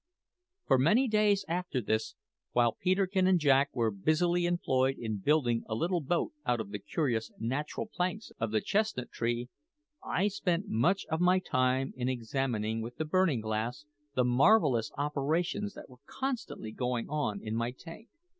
For many days after this, while Peterkin and Jack were busily employed in building a little boat out of the curious natural planks of the chestnut tree, I spent much of my time in examining with the burning glass the marvellous operations that were constantly going on in my tank.